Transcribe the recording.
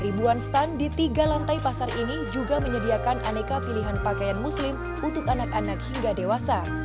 ribuan stand di tiga lantai pasar ini juga menyediakan aneka pilihan pakaian muslim untuk anak anak hingga dewasa